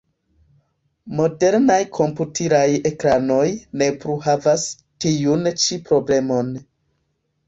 Modernaj komputilaj ekranoj ne plu havas tiun ĉi problemon.